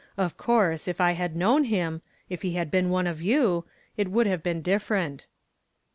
Of course if I had known him if he had been one of you it would have been different."